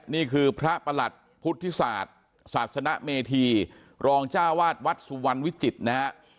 นี่คือพระประหลัดพุทธศาสตร์ศาสนเมธีรองจ้าวาดวัดสุวรรณวิจิตรนะฮะ